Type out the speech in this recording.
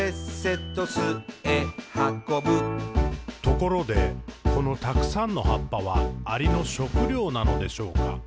「ところで、このたくさんの葉っぱは、アリの食料なのでしょうか？